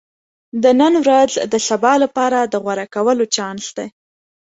• د نن ورځ د سبا لپاره د غوره کولو چانس دی.